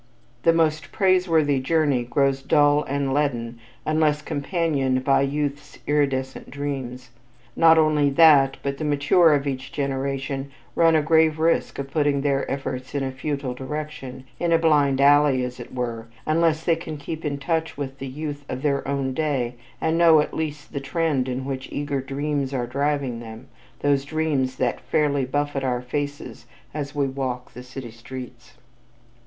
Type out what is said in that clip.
The most praiseworthy journey grows dull and leaden unless companioned by youth's iridescent dreams. Not only that, but the mature of each generation run a grave risk of putting their efforts in a futile direction, in a blind alley as it were, unless they can keep in touch with the youth of their own day and know at least the trend in which eager dreams are driving them those dreams that fairly buffet our faces as we walk the city streets.